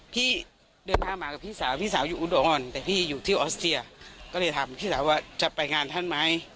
พี่เดินหน้ามากับพี่สาวพี่สาวอยู่อุดรแต่พี่อยู่ที่ออสเตียก็เลยถามพี่สาวว่าจะไปงานท่านไหม